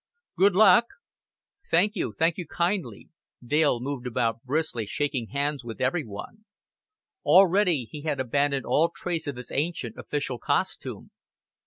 "Good luck!" "Thank you, thank you kindly." Dale moved about briskly, shaking hands with every one. Already he had abandoned all trace of his ancient official costume.